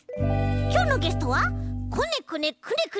きょうのゲストはこねこねくねくね。